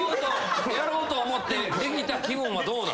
やろうと思ってできた気分はどうだ？